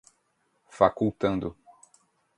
facultando